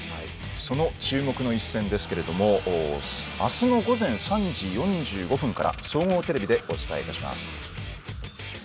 その注目の一戦明日の午前３時４５分から総合テレビでお伝えいたします。